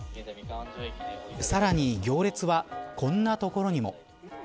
さらに行列はこんなところにも。